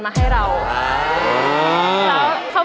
คุณแคลรอนครับ